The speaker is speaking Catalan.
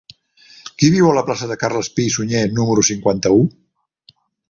Qui viu a la plaça de Carles Pi i Sunyer número cinquanta-u?